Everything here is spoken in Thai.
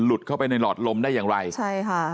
เข้าไปในหลอดลมได้อย่างไรใช่ค่ะ